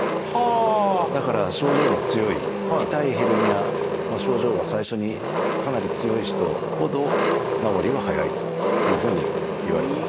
だから症状の強い痛いヘルニア症状が最初にかなり強い人ほど治りは早いというふうにいわれてます。